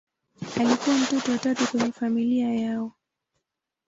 Alikuwa mtoto wa tatu kwenye familia yao.